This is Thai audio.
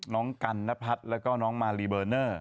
น้องกันนพัฒน์แล้วก็น้องมาลีเบอร์เนอร์